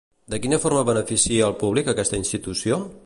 De quina forma beneficia al públic aquesta institució?